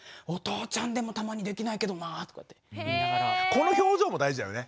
この表情も大事だよね。